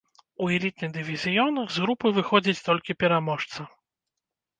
У элітны дывізіён з групы выходзіць толькі пераможца.